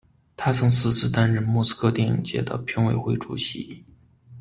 他还曾四次担任莫斯科电影节的评委会主席。